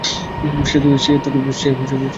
সে তোকে বলেনি?